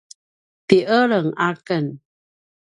ti eleng aken